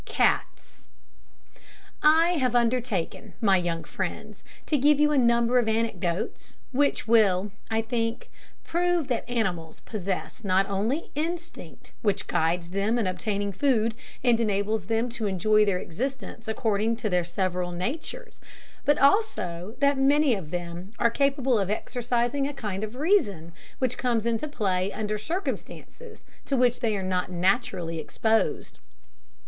CATS. I have undertaken, my young friends, to give you a number of anecdotes, which will, I think, prove that animals possess not only instinct, which guides them in obtaining food, and enables them to enjoy their existence according to their several natures, but also that many of them are capable of exercising a kind of reason, which comes into play under circumstances to which they are not naturally exposed.